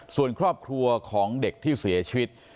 ส่วนครอบครัวของเด็กที่เสียชีวิต